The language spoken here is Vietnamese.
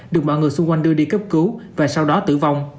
được mọi người xung quanh đưa đi cấp cứu và sau đó tử vong